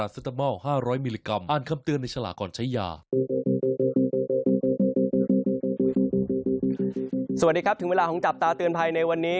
สวัสดีครับถึงเวลาของจับตาเตือนภัยในวันนี้